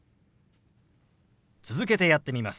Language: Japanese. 続けてやってみます。